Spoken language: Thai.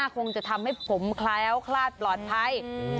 คงจะทำให้ผมแคล้วคลาดปลอดภัย